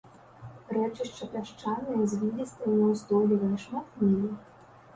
Рэчышча пясчанае, звілістае, няўстойлівае, шмат мелей.